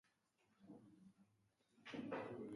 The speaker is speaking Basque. Harrigarria badirudi ere, trikimailuak bere eragina izango du.